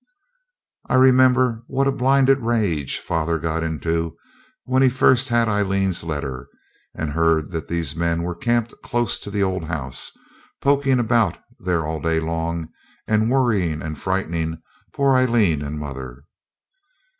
I remember what a blinded rage father got into when he first had Aileen's letter, and heard that these men were camped close to the old house, poking about there all day long, and worrying and frightening poor Aileen and mother.